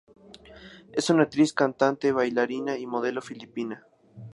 Es una actriz, cantante, bailarina y modelo filipina.